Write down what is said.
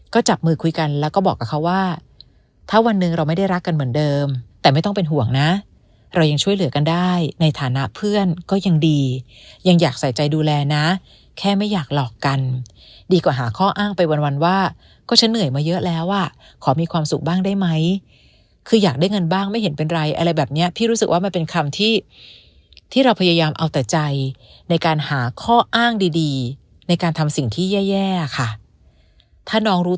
ก็จับมือคุยกันแล้วก็บอกกับเขาว่าถ้าวันหนึ่งเราไม่ได้รักกันเหมือนเดิมแต่ไม่ต้องเป็นห่วงนะเรายังช่วยเหลือกันได้ในฐานะเพื่อนก็ยังดียังอยากใส่ใจดูแลนะแค่ไม่อยากหลอกกันดีกว่าหาข้ออ้างไปวันว่าก็ฉันเหนื่อยมาเยอะแล้วอ่ะขอมีความสุขบ้างได้ไหมคืออยากได้เงินบ้างไม่เห็นเป็นไรอะไรแบบเนี้ยพี่รู้